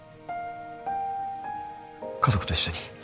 家族と一緒に